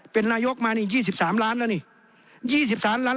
เป็นนายกมา๒๓ล้านแล้ว